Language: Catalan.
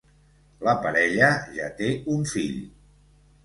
La parella ja té un fill.